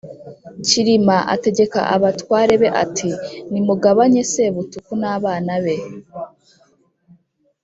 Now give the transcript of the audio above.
Kilima ategeka abatware be ati: “Nimugabanye Sebutuku n’abana be,